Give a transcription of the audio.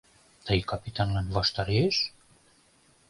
Тый капитанлан ваштареш?!.